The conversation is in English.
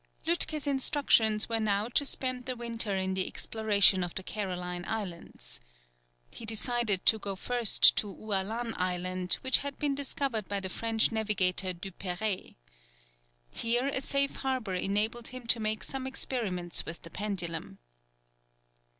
Lütke's instructions were now to spend the winter in the exploration of the Caroline Islands. He decided to go first to Ualan Island, which had been discovered by the French navigator Duperrey. Here a safe harbour enabled him to make some experiments with the pendulum.